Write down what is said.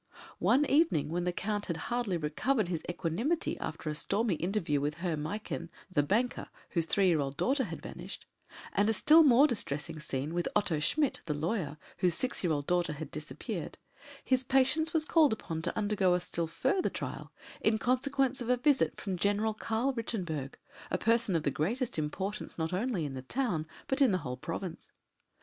One evening, when the Count had hardly recovered his equanimity after a stormy interview with Herr Meichen, the banker, whose three year old daughter had vanished, and a still more distressing scene with Otto Schmidt, the lawyer, whose six year old daughter had disappeared, his patience was called upon to undergo a still further trial in consequence of a visit from General Carl Rittenberg, a person of the greatest importance, not only in the town, but in the whole province.